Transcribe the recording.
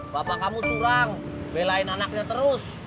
bapak kamu curang belain anaknya terus